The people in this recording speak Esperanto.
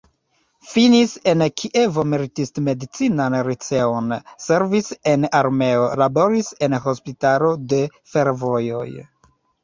Finis en Kievo militist-medicinan liceon, servis en armeo, laboris en hospitalo de fervojoj.